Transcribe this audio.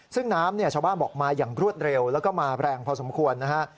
ซึ่งน้ำเนี่ยชาวบ้านบอกมาอย่างรวดเร็วแล้วก็มาแรงพอสมควรนะฮะ